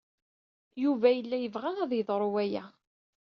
Yuba yella yebɣa ad yeḍru waya.